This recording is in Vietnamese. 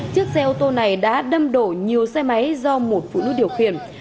chiếc xe ô tô này đã đâm đổ nhiều xe máy do một phụ nữ điều khiển